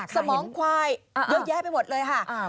สมองควายเยอะแยะไปหมดเลยค่ะ